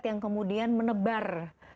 yang kemudian menebar